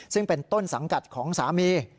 ซึ่งเป็นต้นสังกัดของสามี